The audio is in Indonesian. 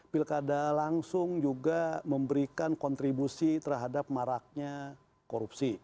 pilkada langsung juga memberikan kontribusi terhadap maraknya korupsi